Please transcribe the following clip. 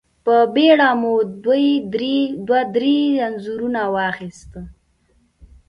په بېړه مو دوه درې انځورونه واخيستل.